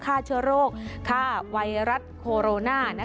ฆ่าเชื้อโรคฆ่าไวรัสโคโรนา